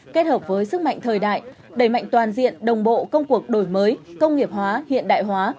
kết hợp với sức mạnh thời đại đẩy mạnh toàn diện đồng bộ công cuộc đổi mới công nghiệp hóa hiện đại hóa